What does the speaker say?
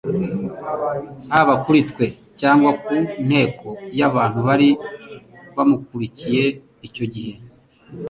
haba kuri twe cyangwa ku nteko y'abantu bari bamukurikiye icyo gihe.